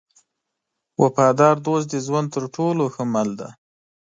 وفادار دوست د ژوند تر ټولو ښه مل دی.